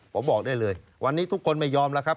ผมบอกได้เลยวันนี้ทุกคนไม่ยอมแล้วครับ